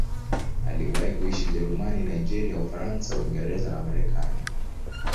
Aliwahi kuishi Ujerumani, Nigeria, Ufaransa, Uingereza na Marekani.